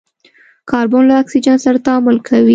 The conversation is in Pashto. کاربن له اکسیجن سره تعامل کوي.